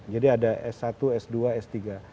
jadi ada s satu s dua s tiga